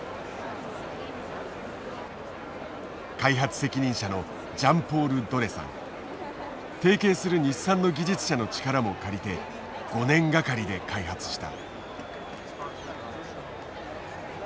開発責任者の提携する日産の技術者の力も借りて５年がかりで開発した。